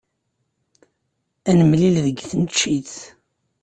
Ad nemlil deg tneččit.